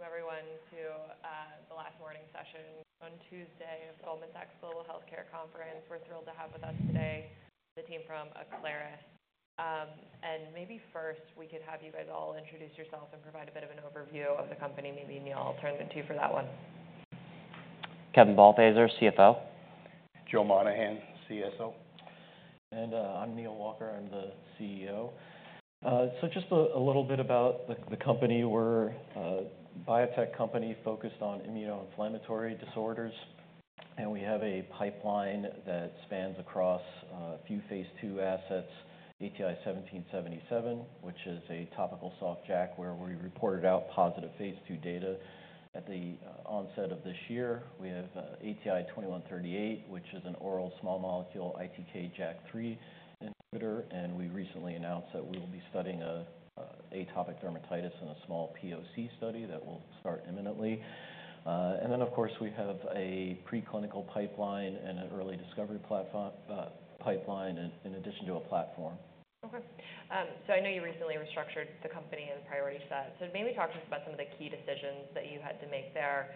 Welcome, everyone, to the last morning session on Tuesday of Goldman Sachs Global Healthcare Conference. We're thrilled to have with us today the team from Aclaris. Maybe first, we could have you guys all introduce yourselves and provide a bit of an overview of the company maybe Neal will turn it to you for that one. Kevin Balthaser, CFO. Joe Monahan, CSO. I'm Neal Walker. I'm the CEO. Just a little bit about the company. We're a biotech company focused on immunoinflammatory disorders. And we have a pipeline that spans across a few phase two assets, ATI-1777, which is a topical soft JAK where we reported out positive phase II data at the onset of this year. We have ATI-2138, which is an oral small molecule ITK/JAK3 inhibitor and we recently announced that we will be studying atopic dermatitis in a small POC study that will start imminently. And then, of course, we have a preclinical pipeline and an early discovery pipeline in addition to a platform. Okay. I know you recently restructured the company and priority set maybe talk to us about some of the key decisions that you had to make there.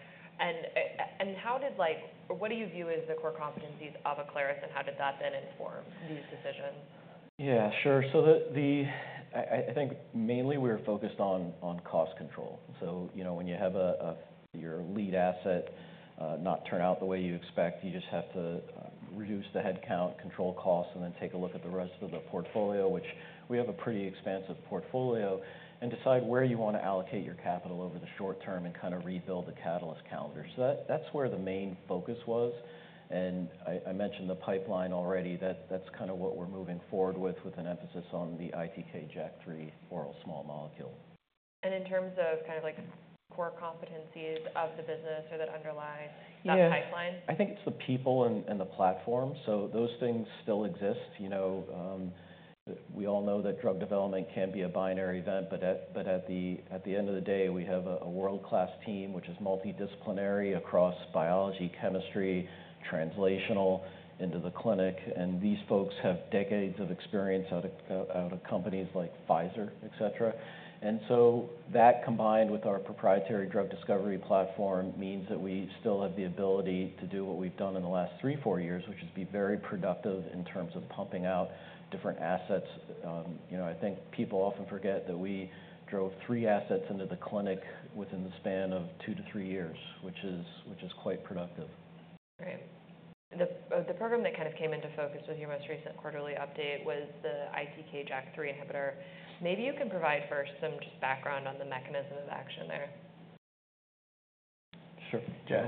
What do you view as the core competencies of Aclaris, and how did that then inform these decisions? Yeah, sure. So, I think mainly we were focused on cost control when you have your lead asset not turn out the way you expect, you just have to reduce the headcount, control costs, and then take a look at the rest of the portfolio, which we have a pretty expansive portfolio, and decide where you want to allocate your capital over the short term and kind of rebuild the catalyst calendar that's where the main focus was. And, I mentioned the pipeline already that's kind of what we're moving forward with, with an emphasis on the ITK JAK3 oral small molecule. In terms of kind of core competencies of the business or that underlie that pipeline? Yeah. I think it's the people and the platform those things still exist. We all know that drug development can be a binary event but at the end of the day, we have a world-class team, which is multidisciplinary across biology, chemistry, translational into the clinic and these folks have decades of experience out of companies like Pfizer, etc. And so, that combined with our proprietary drug discovery platform means that we still have the ability to do what we've done in the last 3-4 years, which is be very productive in terms of pumping out different assets. I think people often forget that we drove three assets into the clinic within the span of 2-3 years, which is quite productive. Right. The program that kind of came into focus with your most recent quarterly update was the ITK JAK3 inhibitor. Maybe? you can provide first some just background on the mechanism of action there. Sure. Yeah.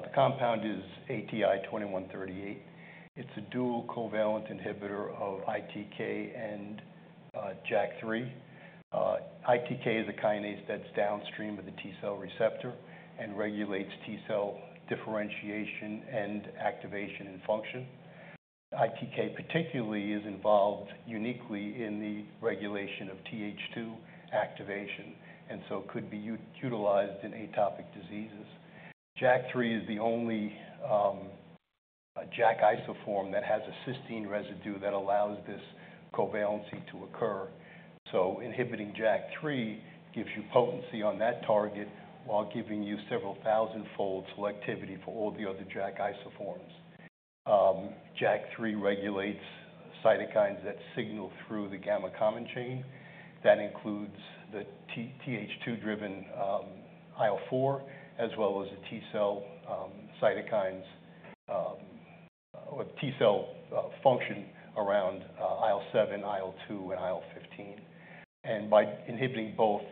The compound is ATI-2138. It's a dual covalent inhibitor of ITK and JAK3. ITK is a kinase that's downstream of the T cell receptor and regulates T cell differentiation and activation and function. ITK particularly is involved uniquely in the regulation of TH2 activation and so could be utilized in atopic diseases. JAK3 is the only JAK isoform that has a cysteine residue that allows this covalency to occur. So, inhibiting JAK3 gives you potency on that target while giving you several thousand-fold selectivity for all the other JAK isoforms. JAK3 regulates cytokines that signal through the gamma common chain. That includes the TH2-driven IL-4 as well as the T cell cytokines or T cell function around IL-7, IL-2, and IL-15. By inhibiting both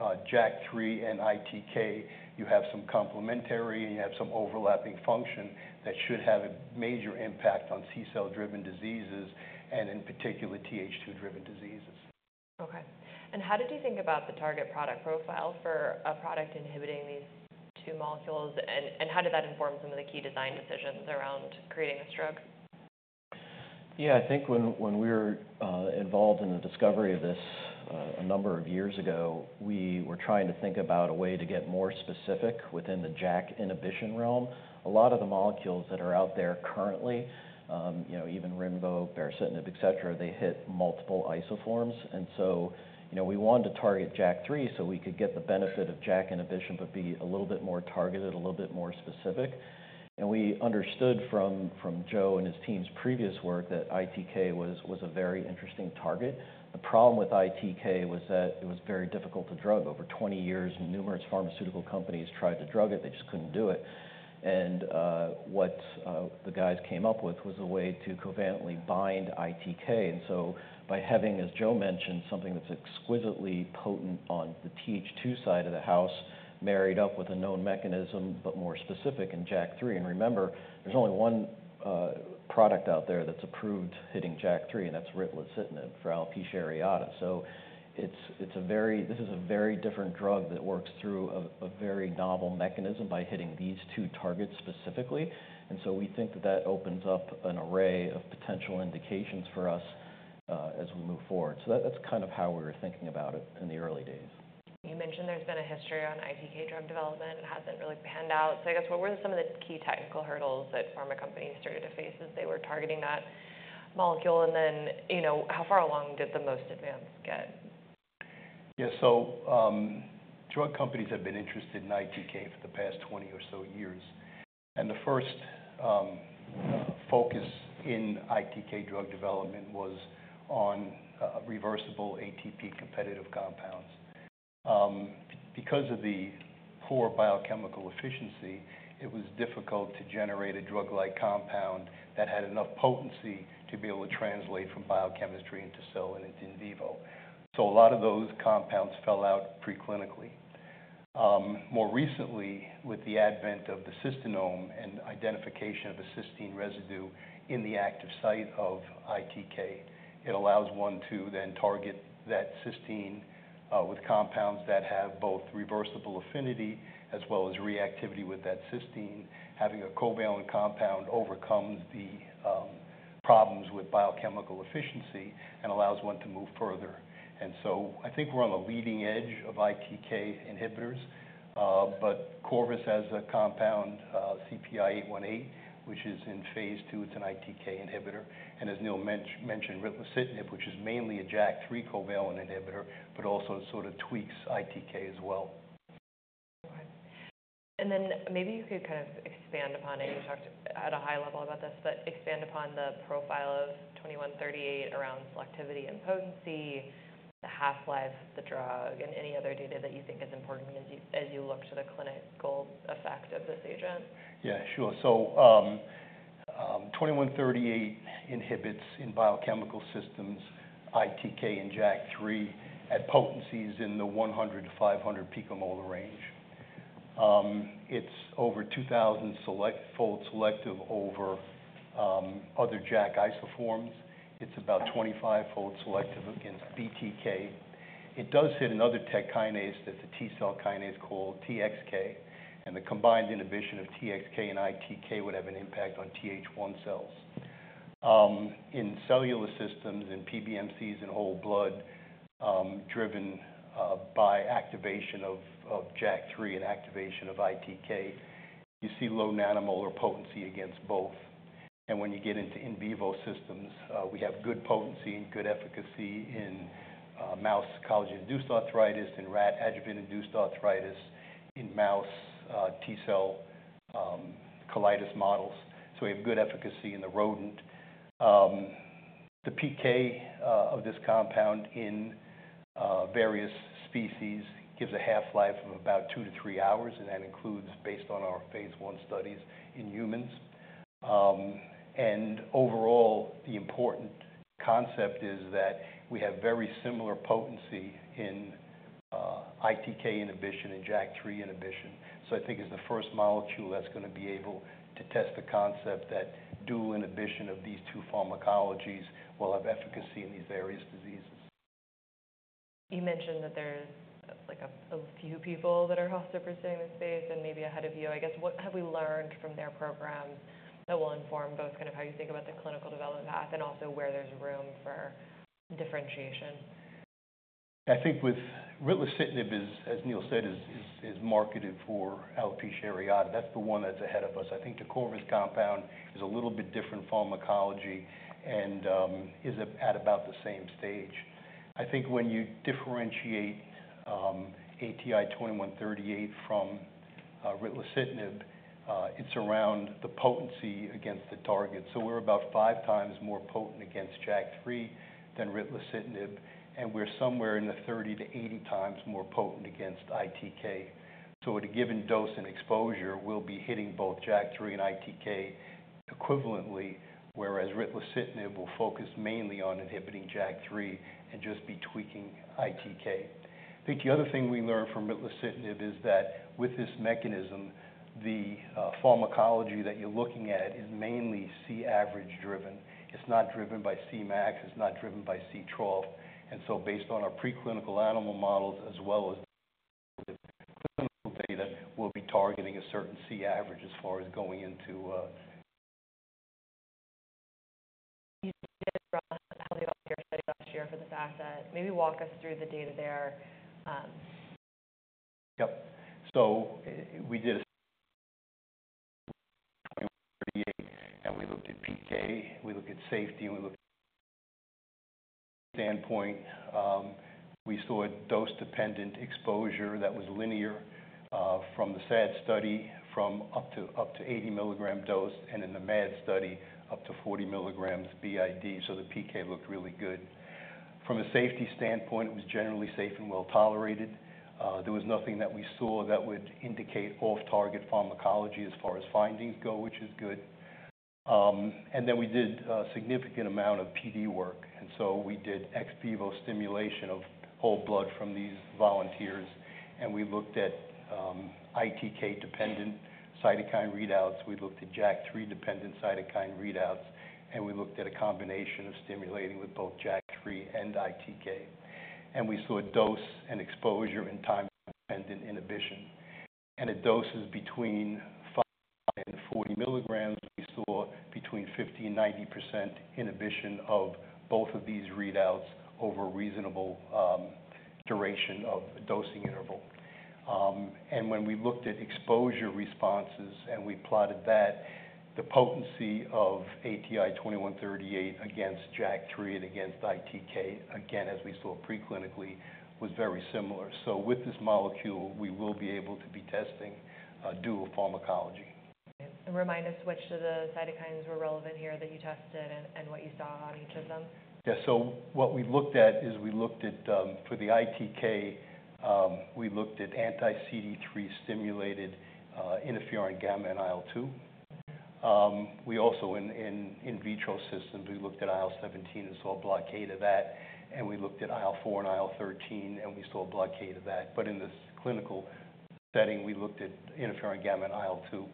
JAK3 and ITK, you have some complementary, and you have some overlapping function that should have a major impact on T cell-driven diseases and in particular TH2-driven diseases. Okay. How? did you think about the target product profile for a product inhibiting these two molecules, and how did that inform some of the key design decisions around creating this drug? Yeah. I think when we were involved in the discovery of this a number of years ago, we were trying to think about a way to get more specific within the JAK inhibition realm. A lot of the molecules that are out there currently, even Rinvoq, baricitinib, etc., they hit multiple isoforms. We wanted to target JAK3 so we could get the benefit of JAK inhibition but be a little bit more targeted, a little bit more specific. And we understood from Joe and his team's previous work that ITK was a very interesting target. The problem with ITK was that it was very difficult to drug over 20 years, numerous pharmaceutical companies tried to drug it they just couldn't do it. What the guys came up with was a way to covalently bind ITK and so, by having, as Joe mentioned, something that's exquisitely potent on the TH2 side of the house married up with a known mechanism but more specific in JAK3 and remember, there's only one product out there that's approved hitting JAK3, and that's ritlecitinib for alopecia areata. This is a very different drug that works through a very novel mechanism by hitting these two targets specifically. And so we think that that opens up an array of potential indications for us as we move forward that's kind of how we were thinking about it in the early days. You mentioned there's been a history on ITK drug development it hasn't really panned out. I guess what were some of the key technical hurdles that pharma companies started to face as they were targeting that molecule? And then how far along did the most advanced get? Yeah. Drug companies have been interested in ITK for the past 20 or so years. And the first focus in ITK drug development was on reversible ATP competitive compounds. Because of the poor biochemical efficiency, it was difficult to generate a drug-like compound that had enough potency to be able to translate from biochemistry into cell and into in vivo. So a lot of those compounds fell out preclinically. More recently, with the advent of the cystinome and identification of a cysteine residue in the active site of ITK, it allows one to then target that cysteine with compounds that have both reversible affinity as well as reactivity with that cysteine. Having a covalent compound overcomes the problems with biochemical efficiency and allows one to move further. And so, I think we're on the leading edge of ITK inhibitors. But, Corvus has a compound, CPI-818, which is in phase II it's an ITK inhibitor. And as Neal mentioned, ritlecitinib, which is mainly a JAK3 covalent inhibitor, but also sort of tweaks ITK as well. Okay. And then maybe you could kind of expand upon it you talked at a high level about this, but expand upon the profile of ATI-2138 around selectivity and potency, the half-life of the drug, and any other data that you think is important as you look to the clinical effect of this agent. Yeah, sure. 2138 inhibits in biochemical systems ITK and JAK3 at potencies in the 100-500 picomolar range. It's over 2,000-fold selective over other JAK isoforms. It's about 25-fold selective against BTK. It does hit another TEC kinase that's the T cell kinase called TXK. And the combined inhibition of TXK and ITK would have an impact on TH1 cells. In cellular systems, in PBMCs, in whole blood, driven by activation of JAK3 and activation of ITK, you see low nanomolar potency against both. And when you get into in vivo systems, we have good potency and good efficacy in mouse collagen-induced arthritis and rat adjuvant-induced arthritis in mouse T cell colitis models. So we have good efficacy in the rodent. The PK of this compound in various species gives a half-life of about 2-3 hours and that includes, based on our phase I studies in humans. Overall, the important concept is that we have very similar potency in ITK inhibition and JAK3 inhibition. I think it's the first molecule that's going to be able to test the concept that dual inhibition of these two pharmacologies will have efficacy in these various diseases. You mentioned that there's a few people that are also pursuing this space and maybe ahead of you i guess what have we learned from their programs that will inform both kind of how? you think about the clinical development path and also where there's room for differentiation? I think with ritlecitinib, as Neal said, is marketed for alopecia areata that's the one that's ahead of us i think the Corvus compound is a little bit different pharmacology and is at about the same stage. I think when you differentiate ATI-2138 from ritlecitinib, it's around the potency against the target we're about 5x more potent against JAK3 than ritlecitinib. And we're somewhere in the 30-80 times more potent against ITK. So at a given dose and exposure, we'll be hitting both JAK3 and ITK equivalently, whereas ritlecitinib will focus mainly on inhibiting JAK3 and just be tweaking ITK. I think the other thing we learned from ritlecitinib is that with this mechanism, the pharmacology that you're looking at is mainly C average driven. It's not driven by Cmax it's not driven by C12. Based on our preclinical animal models as well as clinical data, we'll be targeting a certain C average as far as going into. You did a really good study last year for this asset. Maybe walk us through the data there. Yep. We did a ATI-2138, and we looked at PK. We looked at safety. We looked at standpoint. We saw a dose-dependent exposure that was linear from the SAD study from up to 80 mg dose and in the MAD study up to 40 mg BID the PK looked really good. From a safety standpoint, it was generally safe and well tolerated. There was nothing that we saw that would indicate off-target pharmacology as far as findings go, which is good. And then we did a significant amount of PD work we did ex vivo stimulation of whole blood from these volunteers. And we looked at ITK-dependent cytokine readouts we looked at JAK3-dependent cytokine readouts. And we looked at a combination of stimulating with both JAK3 and ITK. And we saw a dose and exposure and time-dependent inhibition. At doses between 5 and 40 mg, we saw between 50% and 90% inhibition of both of these readouts over a reasonable duration of dosing interval. When we looked at exposure responses and we plotted that, the potency of ATI-2138 against JAK3 and against ITK, again, as we saw preclinically, was very similar with this molecule, we will be able to be testing dual pharmacology. Remind us which of the cytokines were relevant here that you tested and what you saw on each of them? Yeah. What we looked at is we looked at for the ITK, we looked at anti-CD3 stimulated interferon gamma and IL-2. We also in vitro systems, we looked at IL-17 and saw a blockade of that. And we looked at IL-4 and IL-13, and we saw a blockade of that but in the clinical setting, we looked at interferon gamma and IL-2.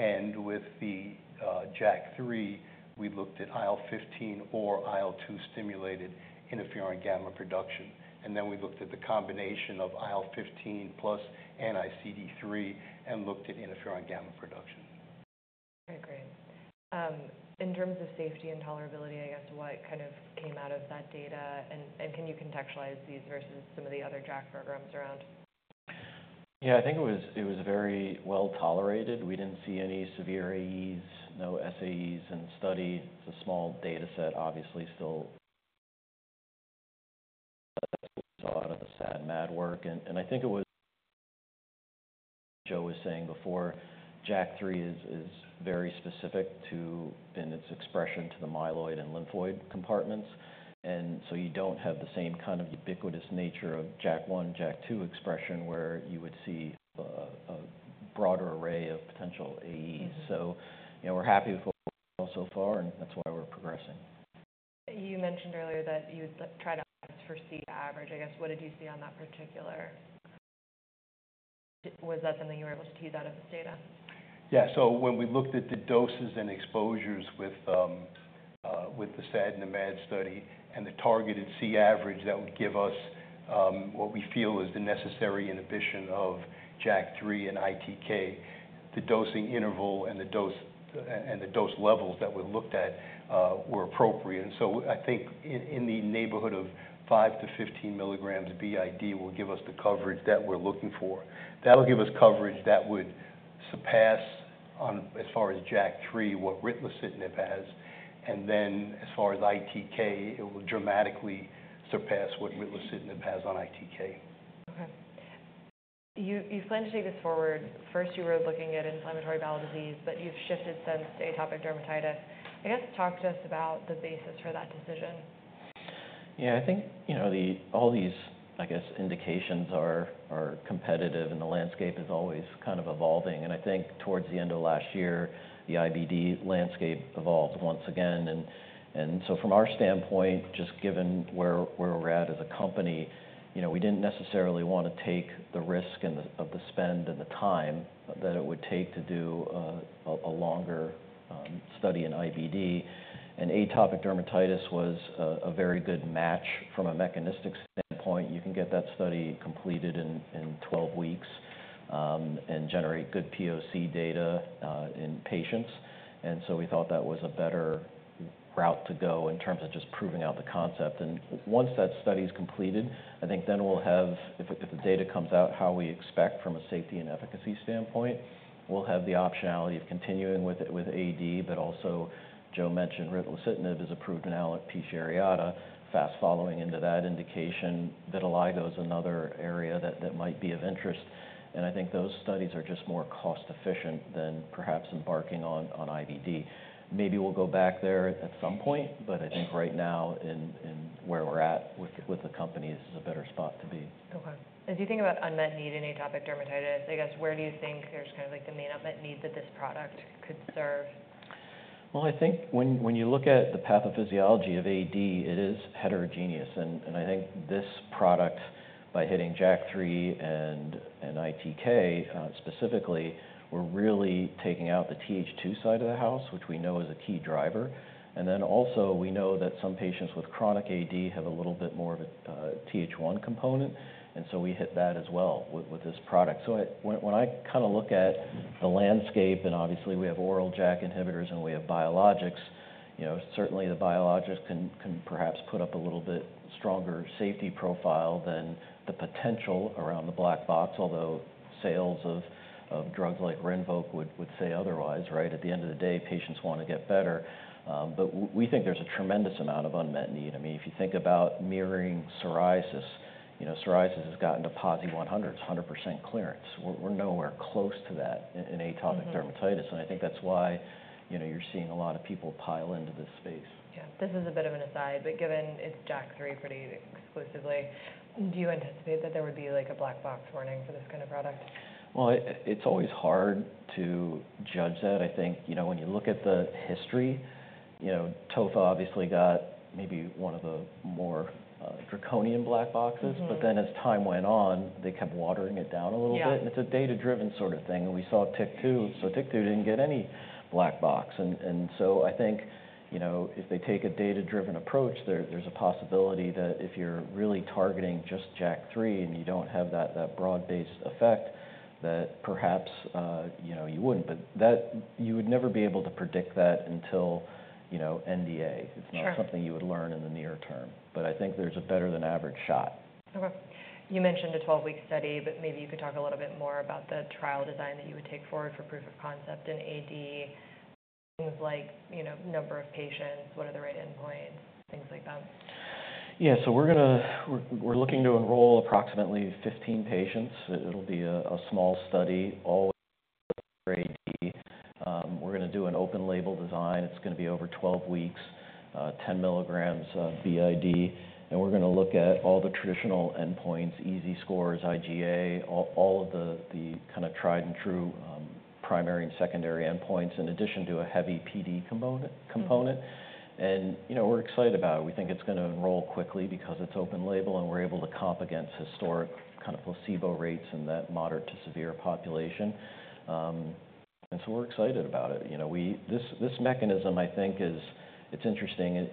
And with the JAK3, we looked at IL-15 or IL-2 stimulated interferon gamma production. And then we looked at the combination of IL-15 plus anti-CD3 and looked at interferon gamma production. Okay. Great. In terms of safety and tolerability, I guess what kind of came out of that data? And can you contextualize these versus some of the other JAK programs around? Yeah. I think it was very well tolerated we didn't see any severe AEs, no SAEs in the study it's a small data set, obviously, still. That's what we saw out of the SAD-MAD work I think it was Joe was saying before, JAK3 is very specific to its expression in the myeloid and lymphoid compartments. And so you don't have the same kind of ubiquitous nature of JAK1, JAK2 expression where you would see a broader array of potential AEs. We're happy with what we saw so far, and that's why we're progressing. You mentioned earlier that you tried to foresee the average. I guess what did you see on that particular? Was that something you were able to tease out of this data? Yeah. When we looked at the doses and exposures with the SAD and the MAD study and the targeted C average that would give us what we feel is the necessary inhibition of JAK3 and ITK, the dosing interval and the dose levels that were looked at were appropriate. I think in the neighborhood of 5-15 mg BID will give us the coverage that we're looking for. That will give us coverage that would surpass as far as JAK3 what ritlecitinib has. And then as far as ITK, it will dramatically surpass what ritlecitinib has on ITK. Okay. You pushed this forward. First, you were looking at inflammatory bowel disease, but you've shifted since to atopic dermatitis. I guess talk to us about the basis for that decision. Yeah. I think all these, I guess, indications are competitive, and the landscape is always kind of evolving and I think towards the end of last year, the IBD landscape evolved once again. And so from our standpoint, just given where we're at as a company, we didn't necessarily want to take the risk of the spend and the time that it would take to do a longer study in IBD. And atopic dermatitis was a very good match from a mechanistic standpoint you can get that study completed in 12 weeks and generate good POC data in patients. And so we thought that was a better route to go in terms of just proving out the concept. Once that study is completed, I think then we'll have, if the data comes out how we expect from a safety and efficacy standpoint, we'll have the optionality of continuing with AD but also, Joe mentioned ritlecitinib is approved in alopecia areata, fast following into that indication. Vitiligo is another area that might be of interest. And I think those studies are just more cost-efficient than perhaps embarking on IBD. Maybe we'll go back there at some point, but I think right now, in where we're at with the company, this is a better spot to be. Okay. As you think about unmet need in atopic dermatitis, I guess where do you think there's kind of the main unmet need that this product could serve? Well, I think when you look at the pathophysiology of AD, it is heterogeneous and I think this product, by hitting JAK3 and ITK specifically, we're really taking out the TH2 side of the house, which we know is a key driver. And then also, we know that some patients with chronic AD have a little bit more of a TH1 component. And so we hit that as well with this product. When I kind of look at the landscape, and obviously we have oral JAK inhibitors and we have biologics, certainly the biologics can perhaps put up a little bit stronger safety profile than the potential around the black box, although sales of drugs like Rinvoq would say otherwise, right? At the end of the day, patients want to get better. But we think there's a tremendous amount of unmet need i mean, if you think about mirroring psoriasis, psoriasis has gotten to PASI 100 it's 100% clearance. We're nowhere close to that in atopic dermatitis and I think that's why you're seeing a lot of people pile into this space. Yeah. This is a bit of an aside, but given it's JAK3 pretty exclusively, do you anticipate that there would be a black box warning for this kind of product? Well, it's always hard to judge that. I think when you look at the history, Tofa obviously got maybe one of the more draconian black boxes but then as time went on, they kept watering it down a little bit and it's a data-driven sort of thing and we saw TYK2. So TYK2 didn't get any black box. And so I think if they take a data-driven approach, there's a possibility that if you're really targeting just JAK3 and you don't have that broad-based effect, that perhaps you wouldn't. But you would never be able to predict that until NDA. It's not something you would learn in the near term. But I think there's a better than average shot. Okay. You mentioned a 12-week study, but maybe you could talk a little bit more about the trial design that you would take forward for proof of concept in AD, things like number of patients, what are the right endpoints, things like that? Yeah. So we're looking to enroll approximately 15 patients. It'll be a small study, all AD. We're going to do an open label design it's going to be over 12 weeks, 10 mg BID. And we're going to look at all the traditional endpoints, EASI scores, IGA, all of the kind of tried and true primary and secondary endpoints in addition to a heavy PD component. And we're excited about it we think it's going to enroll quickly because it's open label and we're able to comp against historic kind of placebo rates in that moderate to severe population. And so we're excited about it. This mechanism, I think, is interesting.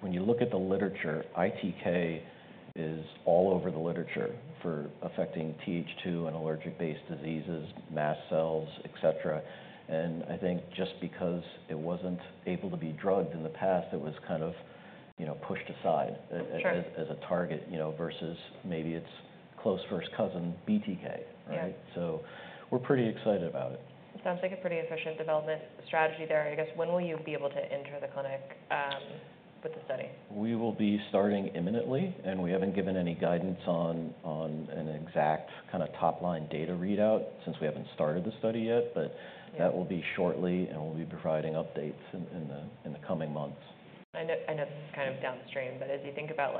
When you look at the literature, ITK is all over the literature for affecting TH2 and allergic-based diseases, mast cells, etc. I think just because it wasn't able to be drugged in the past, it was kind of pushed aside as a target versus maybe its close first cousin, BTK, right? We're pretty excited about it. It sounds like a pretty efficient development strategy there. I guess when will you be able to enter the clinic with the study? We will be starting imminently. We haven't given any guidance on an exact kind of top-line data readout since we haven't started the study yet. That will be shortly, and we'll be providing updates in the coming months. I know this is kind of downstream, but as you think about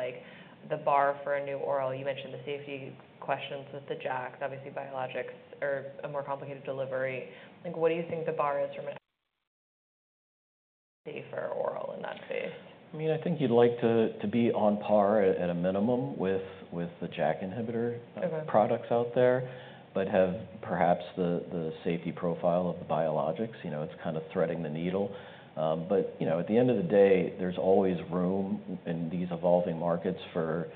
the bar for a new oral, you mentioned the safety questions with the JAKs obviously, biologics are a more complicated delivery. What do you think the bar is for a safer oral in that space? I mean, I think you'd like to be on par at a minimum with the JAK inhibitor products out there, but have perhaps the safety profile of the biologics it's kind of threading the needle. But at the end of the day, there's always room in these evolving markets for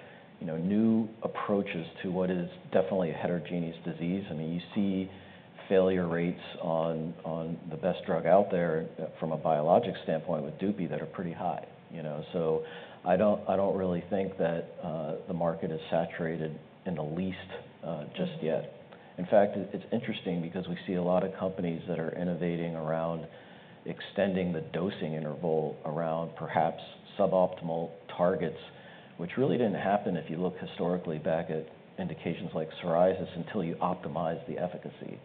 new approaches to what is definitely a heterogeneous disease i mean, you see failure rates on the best drug out there from a biologic standpoint with Dupi that are pretty high. I don't really think that the market is saturated in the least just yet. In fact, it's interesting because we see a lot of companies that are innovating around extending the dosing interval around perhaps suboptimal targets, which really didn't happen if you look historically back at indications like psoriasis until you optimize the efficacy.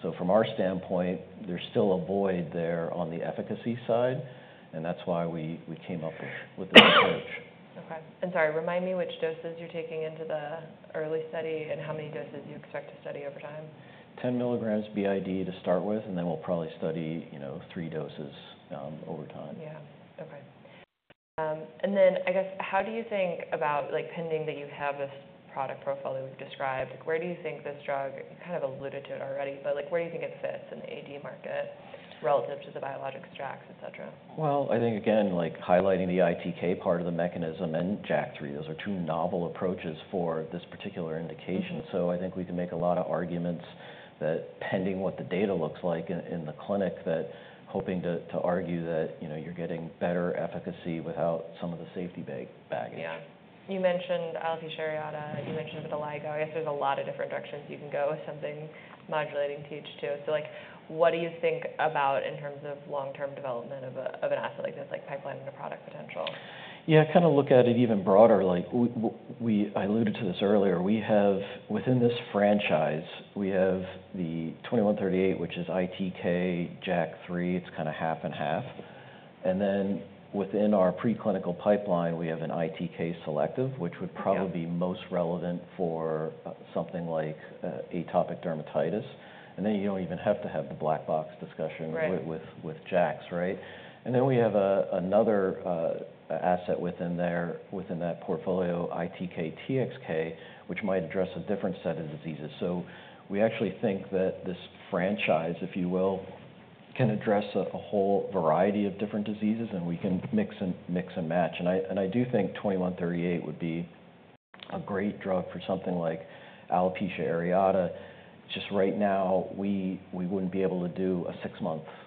So from our standpoint, there's still a void there on the efficacy side. That's why we came up with this approach. Okay. And sorry, remind me which doses you're taking into the early study and how many doses you expect to study over time? 10 mg BID to start with, and then we'll probably study 3 doses over time. Yeah. Okay. And then I guess how do you think about pending that you have this product profile that we've described, where do you think this drug, you kind of alluded to it already, but where do you think it fits in the AD market relative to the biologics, JAKs, etc.? Well, I think, again, highlighting the ITK part of the mechanism and JAK3, those are two novel approaches for this particular indication. I think we can make a lot of arguments that pending what the data looks like in the clinic, that hoping to argue that you're getting better efficacy without some of the safety baggage. Yeah. You mentioned alopecia areata. You mentioned vitiligo i guess there's a lot of different directions you can go with something modulating TH2. What do you think about? in terms of long-term development of an asset like this, pipeline into product potential? Yeah. Kind of look at it even broader. I alluded to this earlier. Within this franchise, we have the 2138, which is ITK, JAK3 it's kind of half and half. And then, within our preclinical pipeline, we have an ITK selective, which would probably be most relevant for something like atopic dermatitis. And then you don't even have to have the black box discussion with JAKs, right? And then we have another asset within that portfolio, ITK-TXK, which might address a different set of diseases. We actually think that this franchise, if you will, can address a whole variety of different diseases, and we can mix and match and I do think 2138 would be a great drug for something like alopecia areata. Just right now, we wouldn't be able to do a six-month study.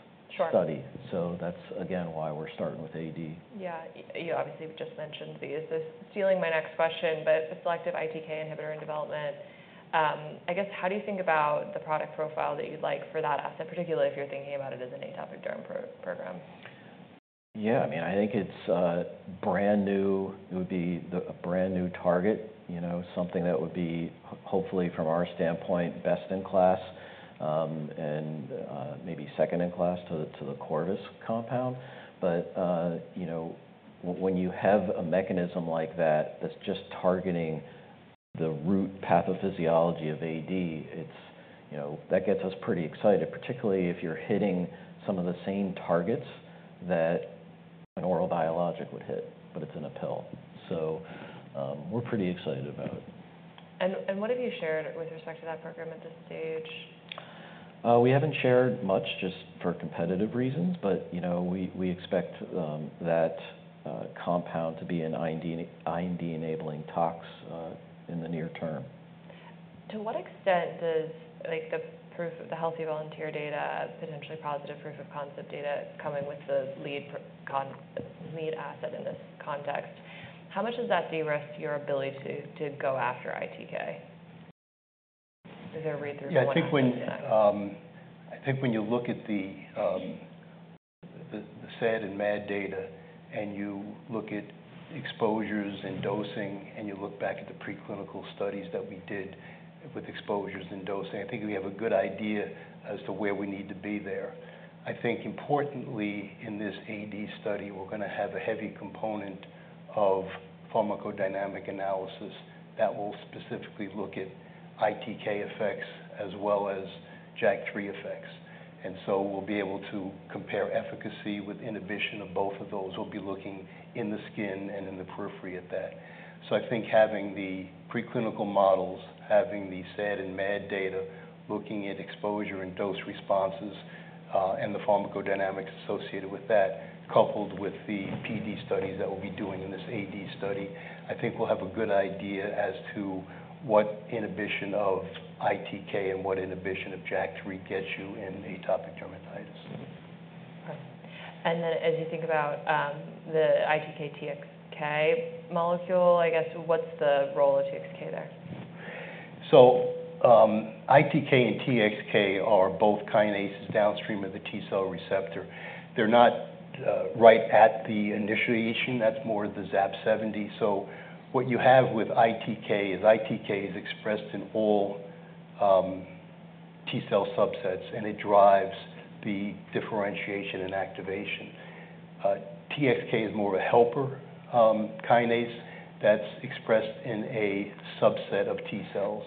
So that's, again, why we're starting with AD. Yeah. You obviously just mentioned these. This is stealing my next question, but a selective ITK inhibitor in development. I guess how? do you think about the product profile that you'd like for that asset, particularly if you're thinking about it as an atopic derm program? Yeah. I mean, I think it's brand new. It would be a brand new target, something that would be, hopefully, from our standpoint, best in class and maybe second in class to the Corvus compound. But when you have a mechanism like that that's just targeting the root pathophysiology of AD, that gets us pretty excited, particularly if you're hitting some of the same targets that an oral biologic would hit, but it's in a pill. We're pretty excited about it. What have you shared with respect to that program at this stage? We haven't shared much just for competitive reasons, but we expect that compound to be an IND-enabling tox in the near term. To what extent does the healthy volunteer data, potentially positive proof of concept data coming with the lead asset in this context, how much does? that de-risk your ability to go after ITK? Is there a read-through point? Yeah. I think when you look at the SAD and MAD data and you look at exposures and dosing and you look back at the preclinical studies that we did with exposures and dosing, I think we have a good idea as to where we need to be there. I think importantly, in this AD study, we're going to have a heavy component of pharmacodynamic analysis that will specifically look at ITK effects as well as JAK3 effects. And so we'll be able to compare efficacy with inhibition of both of those. We'll be looking in the skin and in the periphery at that. So I think having the preclinical models, having the SAD and MAD data, looking at exposure and dose responses and the pharmacodynamics associated with that, coupled with the PD studies that we'll be doing in this AD study, I think we'll have a good idea as to what inhibition of ITK and what inhibition of JAK3 gets you in atopic dermatitis. Okay. And then as you think about the ITK-TXK molecule, I guess what's the role of TXK there? ITK and TXK are both kinases downstream of the T-cell receptor. They're not right at the initiation. That's more of the ZAP70. What you have with ITK is ITK is expressed in all T-cell subsets, and it drives the differentiation and activation. TXK is more of a helper kinase that's expressed in a subset of T-cells.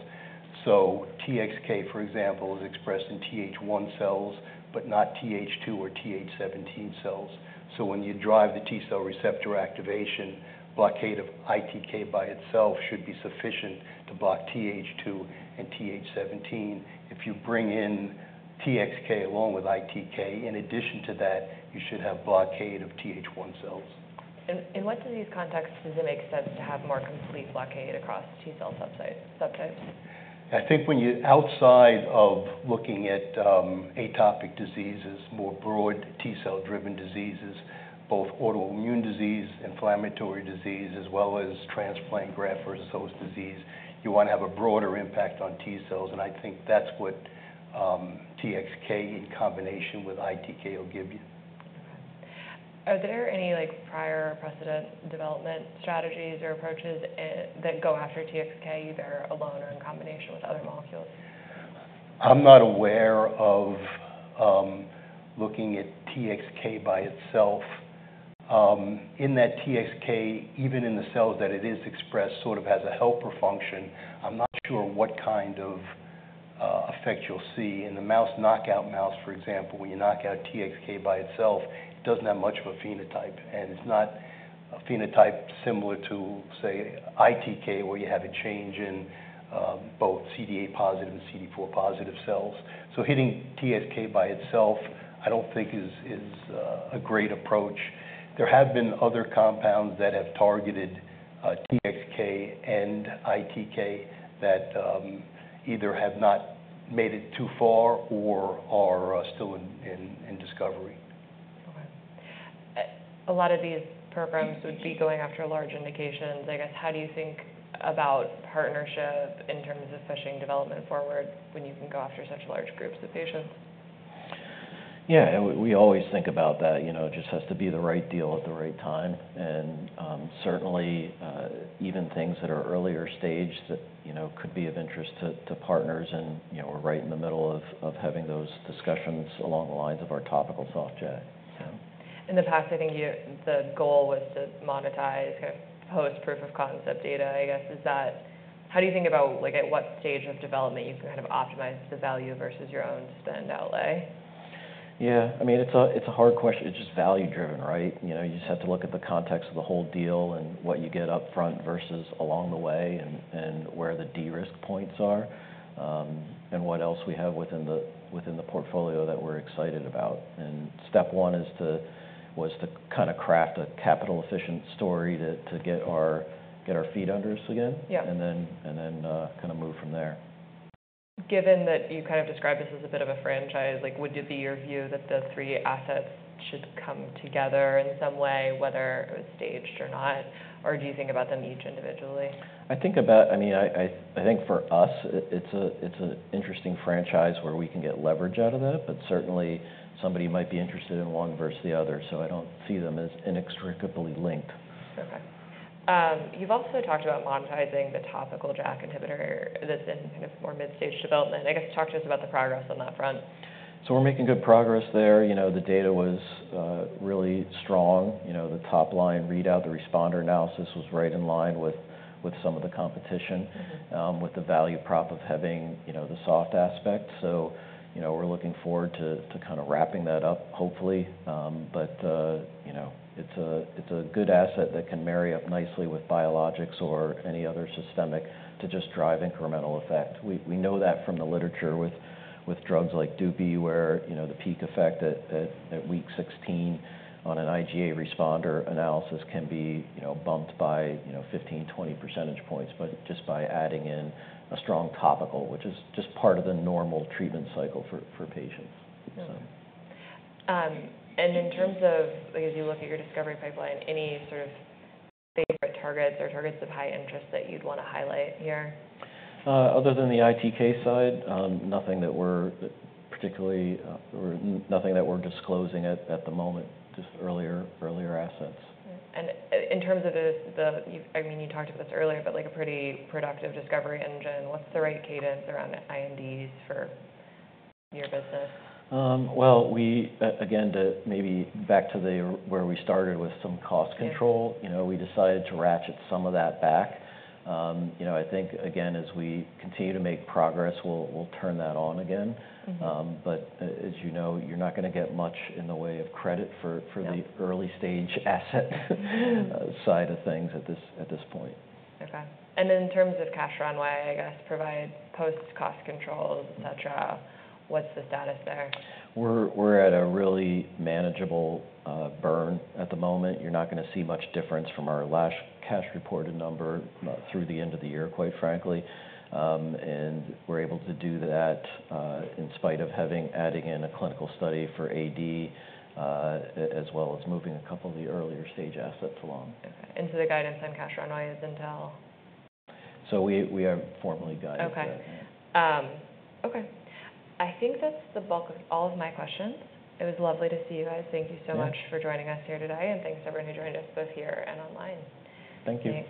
So TXK, for example, is expressed in TH1 cells, but not TH2 or TH17 cells. When you drive the T-cell receptor activation, blockade of ITK by itself should be sufficient to block TH2 and TH17. If you bring in TXK along with ITK, in addition to that, you should have blockade of TH1 cells. In what disease context does it make sense to have more complete blockade across T-cell subtypes? I think when you're outside of looking at atopic diseases, more broad T-cell-driven diseases, both autoimmune disease, inflammatory disease, as well as transplant graft versus host disease, you want to have a broader impact on T-cells i think that's what TXK in combination with ITK will give you. Are there any prior precedent development strategies or approaches that go after TXK either alone or in combination with other molecules? I'm not aware of looking at TXK by itself. In that TXK, even in the cells that it is expressed, sort of has a helper function. I'm not sure what kind of effect you'll see in the mouse knockout mouse, for example, when you knock out TXK by itself, it doesn't have much of a phenotype and it's not a phenotype similar to, say, ITK where you have a change in both CD8-positive and CD4-positive cells. So hitting TXK by itself, I don't think is a great approach. There have been other compounds that have targeted TXK and ITK that either have not made it too far or are still in discovery. Okay. A lot of these programs would be going after large indications. I guess how do you think about partnership in terms of pushing development forward when you can go after such large groups of patients? Yeah. We always think about that. It just has to be the right deal at the right time. And certainly, even things that are earlier stage that could be of interest to partners. And we're right in the middle of having those discussions along the lines of our topical soft JAK. In the past, I think the goal was to monetize kind of post-proof of concept data. I guess how do you think about at what stage of development you can kind of optimize the value versus your own spend outlay? Yeah. I mean, it's a hard question. It's just value-driven, right? You just have to look at the context of the whole deal and what you get upfront versus along the way and where the de-risk points are and what else we have within the portfolio that we're excited about. And step one was to kind of craft a capital-efficient story to get our feet under us again and then kind of move from there. Given that you kind of described this as a bit of a franchise, would it be your view that the three assets should come together in some way, whether it was staged or not? Or do you think about them each individually? I mean, I think for us, it's an interesting franchise where we can get leverage out of that. But certainly, somebody might be interested in one versus the other. So I don't see them as inextricably linked. Okay. You've also talked about monetizing the topical JAK inhibitor that's in kind of more mid-stage development. I guess talk to us about the progress on that front. So we're making good progress there. The data was really strong. The top-line readout, the responder analysis was right in line with some of the competition with the value prop of having the soft aspect. We're looking forward to kind of wrapping that up, hopefully. But it's a good asset that can marry up nicely with biologics or any other systemic to just drive incremental effect. We know that from the literature with drugs like DUPI where the peak effect at week 16 on an IGA responder analysis can be bumped by 15-20 percentage points, but just by adding in a strong topical, which is just part of the normal treatment cycle for patients. In terms of, as you look at your discovery pipeline, any sort of favorite targets or targets of high interest that you'd want to highlight here? Other than the ITK side, nothing that we're particularly disclosing at the moment, just earlier assets. In terms of the, I mean, you talked about this earlier, but a pretty productive discovery engine, what's the right cadence around INDs for your business? Well, again, maybe back to where we started with some cost control, we decided to ratchet some of that back. I think, again, as we continue to make progress, we'll turn that on again. But as you know, you're not going to get much in the way of credit for the early-stage asset side of things at this point. Okay. And in terms of cash runway, I guess, provide post-cost controls, etc., what's the status there? We're at a really manageable burn at the moment you're not going to see much difference from our last cash-reported number through the end of the year, quite frankly. And, we're able to do that in spite of adding in a clinical study for AD as well as moving a couple of the earlier-stage assets along. Okay. And so the guidance on cash runway is until? We are formally guided to that now. Okay. I think that's the bulk of all of my questions. It was lovely to see you guys thank you so much for joining us here today and thanks to everyone who joined us both here and online. Thank you.